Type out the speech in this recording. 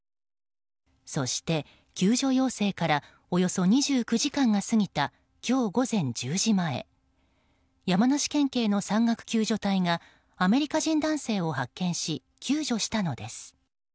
そして、救助要請からおよそ２９時間が過ぎた今日午前１０時前山梨県警の山岳救助隊がアメリカ人男性を発見し救助したのです。